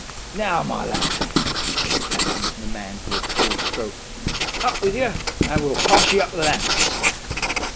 "'Now, my lad,' said the captain to the man who had pulled stroke, 'up with you, an' we'll pass ye up the lamps.